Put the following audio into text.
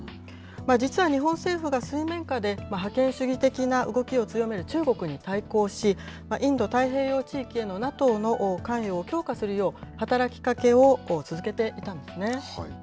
実は日本政府が水面下で覇権主義的な動きを強める中国に対抗し、インド太平洋地域へのＮＡＴＯの関与を強化するよう、働きかけを続けていたんですね。